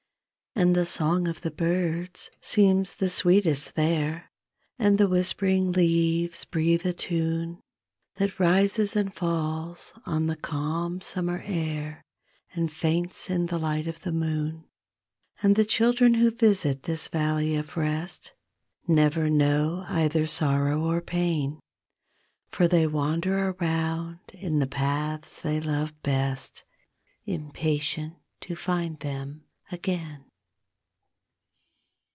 And the song of the birds seems the sweetest there, And the whispering leaves breathe a tune That rises and falls on the calm summer air And faints in the light of the moon. And the children who visit this valley of rest Never know either sorrow or pain, For they wander around in the paths they love best, Impatient to find them again.